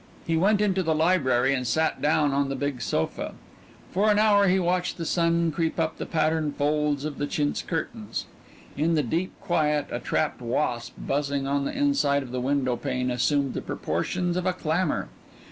He went into the library and sat down on the big sofa. For an hour he watched the sun creep up the patterned folds of the chintz curtains. In the deep quiet a trapped wasp buzzing on the inside of the window pane assumed the proportions of a clamor.